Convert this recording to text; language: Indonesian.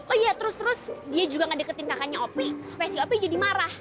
oh iya terus terus dia juga gak deketin kakaknya opi supaya si opi jadi marah